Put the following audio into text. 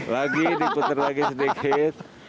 lagi diputer lagi sedikit